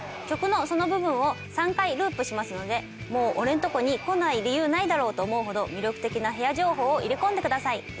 曲のその部分を３回ループしますのでもう俺んとこに来ない理由ないだろと思うほど魅力的な部屋情報を入れ込んでください。